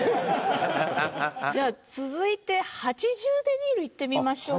じゃあ続いて８０デニールいってみましょうか。